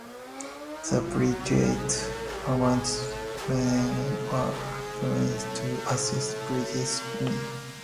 The Brigade's armoured vehicles were detached to assist British units.